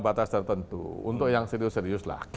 batas tertentu untuk yang serius serius lah